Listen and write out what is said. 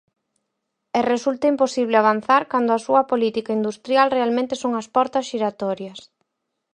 E resulta imposible avanzar cando a súa política industrial realmente son as portas xiratorias.